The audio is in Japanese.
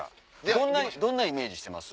どんなイメージしてます？